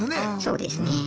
そうですね。